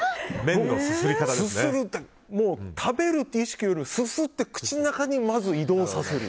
食べるという意識よりもすすって口の中にまず移動させる。